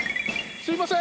すいません。